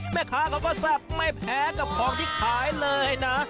แม่ค้าเขาก็แซ่บไม่แพ้กับของที่ขายเลยนะ